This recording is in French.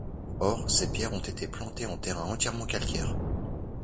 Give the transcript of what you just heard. Or, ces pierres ont été plantées en terrain entièrement calcaire.